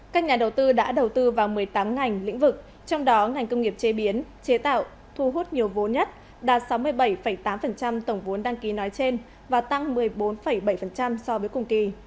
các nhà đầu tư đã đầu tư vào một mươi tám ngành lĩnh vực trong đó ngành công nghiệp chế biến chế tạo thu hút nhiều vốn nhất đạt sáu mươi bảy tám tổng vốn đăng ký nói trên và tăng một mươi bốn bảy so với cùng kỳ